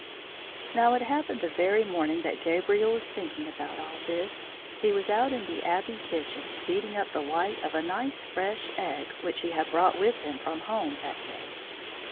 Now it happened the very morning that Gabriel was thinking about all this, he was out in the Abbey kitchen beating up the white of a nice fresh egg which he had brought with him from home that day.